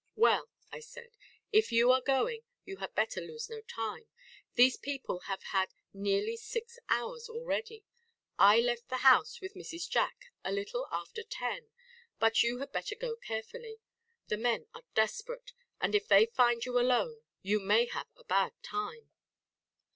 "Well," I said, "if you are going, you had better lose no time. These people have had nearly six hours already; I left the house with Mrs. Jack a little after ten. But you had better go carefully. The men are desperate; and if they find you alone, you may have a bad time."